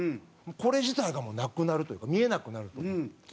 これ自体がなくなるというか見えなくなると。